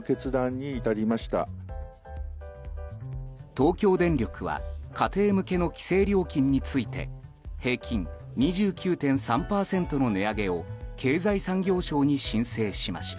東京電力は家庭向けの規制料金について平均２９．３％の値上げを経済産業省に申請しました。